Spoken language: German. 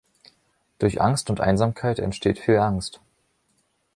Durch Angst und Einsamkeit entsteht viel Angst.